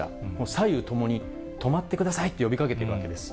左右ともに止まってくださいと呼びかけているわけです。